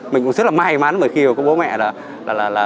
mình cũng rất là may mắn bởi khi bố mẹ là